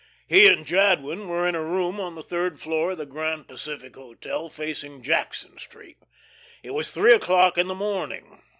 He and Jadwin were in a room on the third floor of the Grand Pacific Hotel, facing Jackson Street. It was three o'clock in the morning.